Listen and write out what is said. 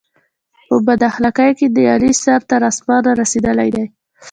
په بد اخلاقی کې د علي سر تر اسمانه رسېدلی دی.